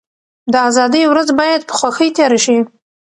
د ازادۍ ورځ بايد په خوښۍ تېره شي.